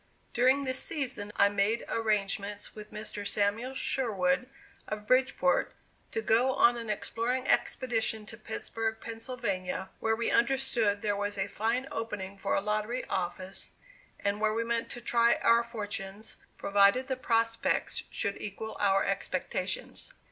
During this season I made arrangements with Mr. Samuel Sherwood, of Bridgeport, to go on an exploring expedition to Pittsburg, Pennsylvania, where we understood there was a fine opening for a lottery office and where we meant to try our fortunes, provided the prospects should equal our expectations.